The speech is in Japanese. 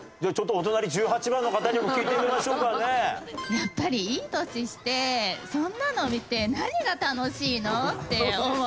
やっぱりいい年してそんなの見て何が楽しいのって思う。